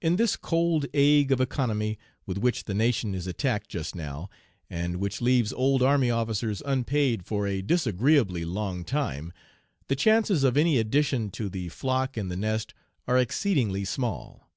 In this cold ague of economy with which the nation is attacked just now, and which leaves old army officers unpaid for a disagreeably long time, the chances of any addition to the flock in the nest are exceedingly small.